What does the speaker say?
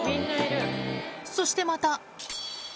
そしてまた。